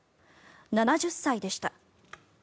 ７０歳でした。